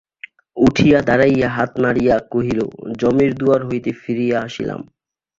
উঠিয়া দাঁড়াইয়া হাত নাড়িয়া কহিল, যমের দুয়ার হইতে ফিরিয়া আসিলাম।